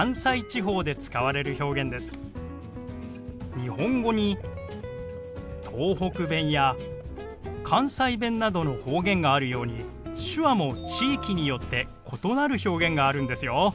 日本語に東北弁や関西弁などの方言があるように手話も地域によって異なる表現があるんですよ。